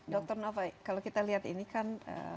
dr nova kalau kita lihat ini kan